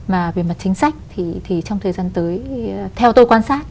mà về mặt chính sách thì trong thời gian tới theo tôi quan sát